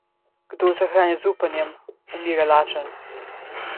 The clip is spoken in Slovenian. Kdor se hrani z upanjem, umira lačen.